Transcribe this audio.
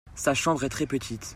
Sa chambre est très petite.